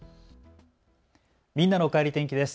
みんなのおかえり天気です。